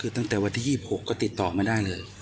คือตั้งแต่วันที่๒๖ก็ติดต่อไม่ได้เลย